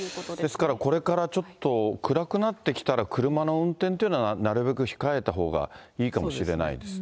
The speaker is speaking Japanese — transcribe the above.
ですからこれからちょっと、暗くなってきたら、車の運転というのはなるべく控えたほうがいいかもしれないですね。